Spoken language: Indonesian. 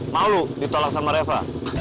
malu ditolak sama reva